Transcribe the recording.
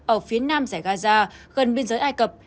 ở phía nam giải gaza gần biên giới ai cập